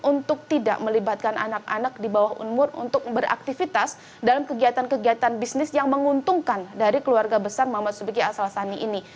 untuk tidak melibatkan anak anak di bawah umur untuk beraktivitas dalam kegiatan kegiatan bisnis yang menguntungkan dari keluarga besar muhammad subiki asal sani ini